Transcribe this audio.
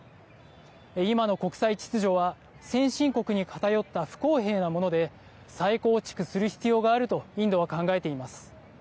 今の国際秩序は先進国に偏った不公平なもので再構築する必要があるとインドは考えています。